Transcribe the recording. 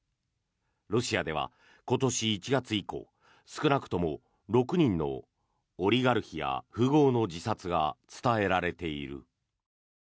ロシアでは今年１月以降少なくとも６人のオリガルヒや富豪の自殺が伝えられている。